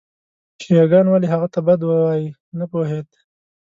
شیعه ګان ولې هغه ته بد وایي نه پوهېد.